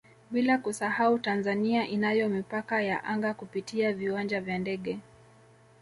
Bila kusahau Tanzania inayo Mipaka ya Anga kupitia viwanja vya ndege